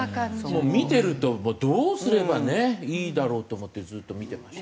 見てるとどうすればいいだろうと思ってずっと見てました。